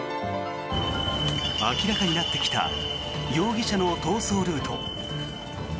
明らかになってきた容疑者の逃走ルート。